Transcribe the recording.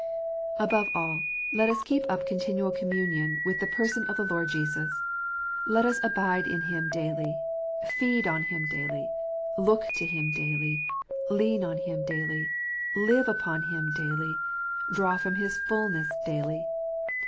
Above all, let us keep up continual communion with the person of the Lord Jesus ! Let us abide in Him daily, feed on Him daily, look to Him daily, lean on Him daily, live upon Him daily, draw from His fulness daily.